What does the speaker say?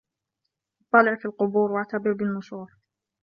اطَّلِعْ فِي الْقُبُورِ وَاعْتَبِرْ بِالنُّشُورِ